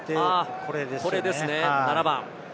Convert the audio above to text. これですね、７番。